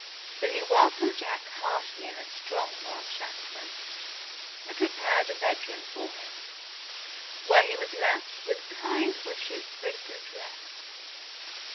So he welcomed Jack heartily in a strong Welsh accent, and prepared a bedroom for him, where he was left with kind wishes for a good rest.